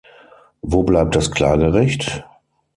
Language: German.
Wo bleibt das Klagerecht?